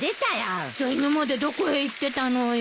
じゃあ今までどこへ行ってたのよ。